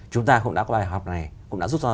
chúng ta cũng đã có bài học này cũng đã giúp cho